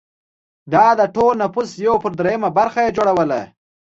دا د ټول نفوس یو پر درېیمه برخه یې جوړوله